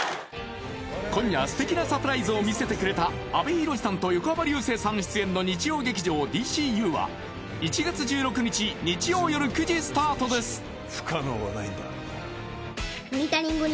今夜素敵なサプライズを見せてくれた阿部寛さんと横浜流星さん出演の日曜劇場「ＤＣＵ」は１月１６日日曜夜９時スタートです